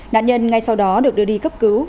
nạn nhân ngay sau đó được đưa đi cấp cứu